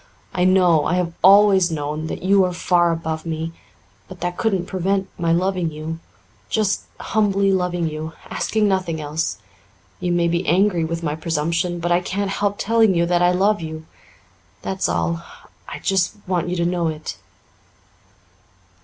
I know I have always known that you are far above me. But that couldn't prevent my loving you just humbly loving you, asking nothing else. You may be angry with my presumption, but I can't help telling you that I love you. That's all. I just want you to know it."